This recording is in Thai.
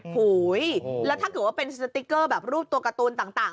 โหยแล้วถ้าเกิดว่าเป็นสติ๊กเกอร์แบบรูปตัวการ์ตูนต่าง